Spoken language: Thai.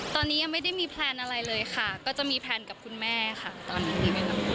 ตอนนี้ยังไม่ได้มีแพลนอะไรเลยค่ะก็จะมีแพลนกับคุณแม่ค่ะตอนนี้ดีไหมครับ